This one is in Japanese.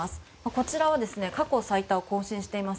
こちらは過去最多を更新しています